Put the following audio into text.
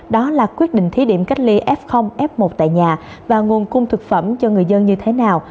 đó là quyết định thí điểm cách ly f f một tại nhà và nguồn cung thực phẩm cho người dân như thế nào